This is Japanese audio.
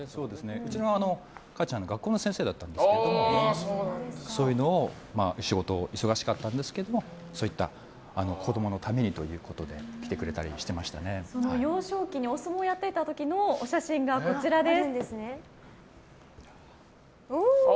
うちのかあちゃんは学校の先生だったんですけどそういう仕事忙しかったんですけど子供のためにということで幼少期にお相撲をやってた時のお写真がこちらです。